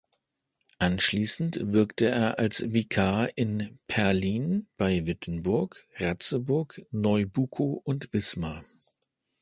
Anschließend wirkte er als Vikar in Perlin bei Wittenburg, Ratzeburg, Neubukow und Wismar.